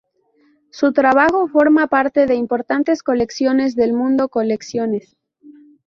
Su Trabajo forma parte de importantes colecciones del mundo colecciones.